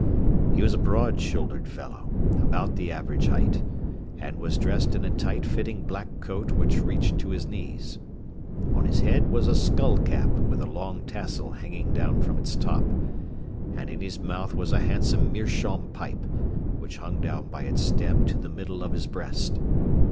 He was a broad shouldered fellow, about the average height, and was dressed in a tight fitting black coat which reached to his knees. On his head was a skull cap with a long tassel hanging down from its top, and in his mouth was a handsome meerschaum pipe, which hung down by its stem to the middle of his breast.